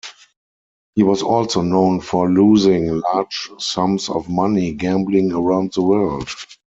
He was also known for losing large sums of money gambling around the world.